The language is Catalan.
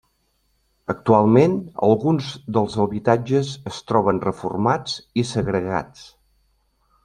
Actualment alguns dels habitatges es troben reformats i segregats.